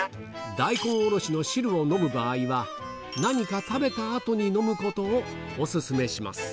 大根おろしの汁を飲む場合は、何か食べたあとに飲むことをお勧めします。